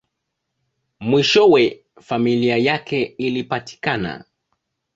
Mwishowe, familia yake ilipatikana.